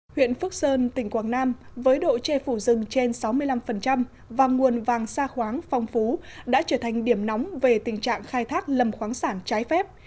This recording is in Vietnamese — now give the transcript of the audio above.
huyện phước sơn tỉnh quảng nam với độ che phủ rừng trên sáu mươi năm và nguồn vàng xa khoáng phong phú đã trở thành điểm nóng về tình trạng khai thác lâm khoáng sản trái phép